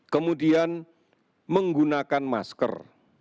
kemudian menggunakan masker